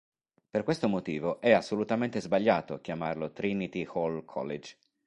Per questo motivo è assolutamente sbagliato chiamarlo Trinity Hall College.